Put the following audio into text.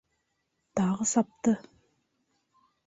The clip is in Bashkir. Тағы сапты.